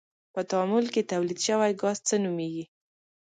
په تعامل کې تولید شوی ګاز څه نومیږي؟